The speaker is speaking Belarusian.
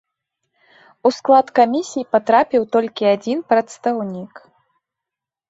У склад камісій патрапіў толькі адзін прадстаўнік.